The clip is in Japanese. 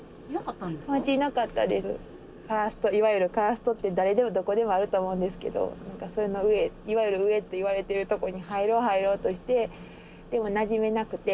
いわゆるカーストって誰でもどこでもあると思うんですけどそれのいわゆる上っていわれてるとこに入ろう入ろうとしてでもなじめなくて。